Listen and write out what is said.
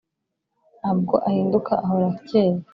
Ntabwo ahinduka ahora acyeye.